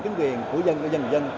chính quyền của dân và dân người dân